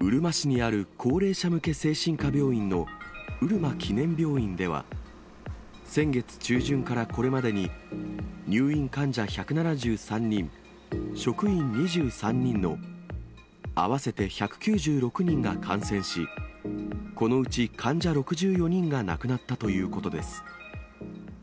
うるま市にある高齢者向け精神科病院のうるま記念病院では、先月中旬からこれまでに、入院患者１７３人、職員２３人の合わせて１９６人が感染し、このうち患者６４人が亡くなったということです。